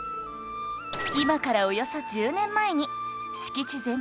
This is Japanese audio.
今からおよそ１０年前に敷地全体